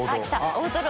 大トロ。